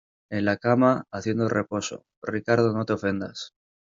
en la cama haciendo reposo. Ricardo, no te ofendas